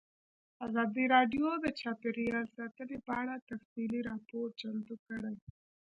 ازادي راډیو د چاپیریال ساتنه په اړه تفصیلي راپور چمتو کړی.